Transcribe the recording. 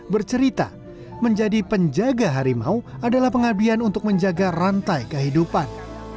bercerita menjadi penjaga harimau adalah pengabdian untuk menjaga rantai kehidupan